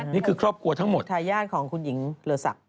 นี่คือครอบครัวทั้งหมดทายาทของคุณหญิงเรือศักดิ